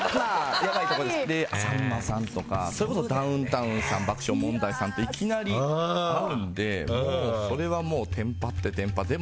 で、さんまさんとかダウンタウンさん爆笑問題さんといきなり会うのでそれはもうテンパってテンパって。